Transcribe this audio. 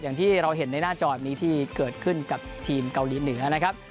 อย่างที่เราเห็นในหน้าจอนี้ที่เกิดขึ้นกับทีมเกาหลีเหนือนะครับ